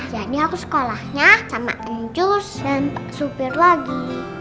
jadi harus sekolahnya sama enjus dan pak supir lagi